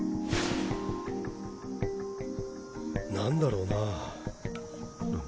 何だろうなァ。